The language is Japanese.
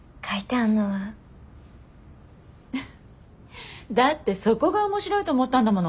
フフフだってそこが面白いと思ったんだもの。